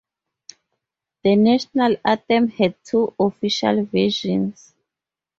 The national anthem had two official versions.